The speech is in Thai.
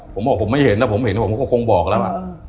ผมไม่เห็นแล้วแล้วผมเห็นผมก็คงบอกแล้ว